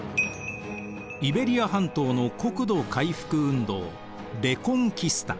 イベリア半島の国土回復運動レコンキスタ。